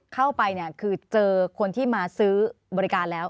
เข้าไปเนี่ยคือเจอคนที่มาซื้อบริการแล้ว